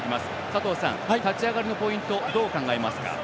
佐藤さん、立ち上がりのポイントどう考えますか？